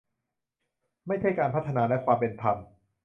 ไม่ใช่การพัฒนาและความเป็นธรรม